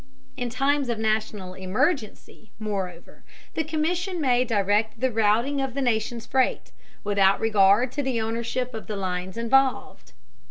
In times of national emergency, moreover, the Commission may direct the routing of the nation's freight, without regard to the ownership of the lines involved.